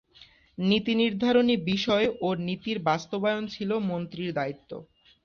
নীতি নির্ধারণী বিষয় ও নীতির বাস্তবায়ন ছিল মন্ত্রীর দায়িত্ব।